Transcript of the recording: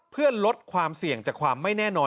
เพื่อลดความเสี่ยงจากความไม่แน่นอน